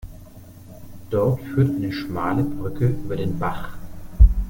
Dort führt eine schmale Brücke über den Bach.